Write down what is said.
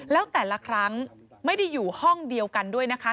แล้วแต่ละครั้งไม่ได้อยู่ห้องเดียวกันด้วยนะคะ